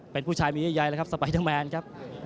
เป็นผู้ชายมียัยนะครับสไปเดอร์แมนครับ